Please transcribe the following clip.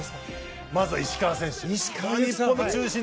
まずは石川選手。